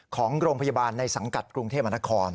ของโรงพยาบาลในสังกัดกรุงเทพมหานคร